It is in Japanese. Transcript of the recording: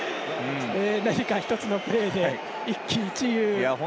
１つのプレーで一喜一憂。